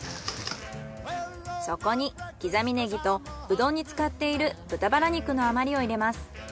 そこに刻みネギとうどんに使っている豚バラ肉の余りを入れます。